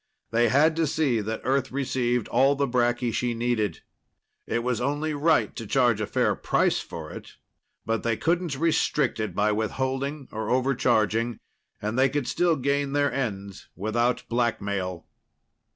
They had to see that Earth received all the bracky she needed. It was only right to charge a fair price for it, but they couldn't restrict it by withholding or overcharging. And they could still gain their ends without blackmail.